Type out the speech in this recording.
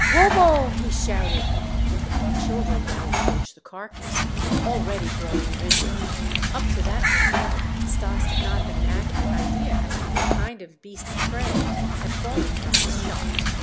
"Wobo!" he shouted. The children now approached the carcass, already growing rigid. Up to that time Stas did not have an accurate idea as to what kind of beast of prey had fallen from his shot.